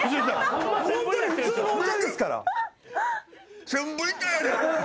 ホントに普通のお茶ですから。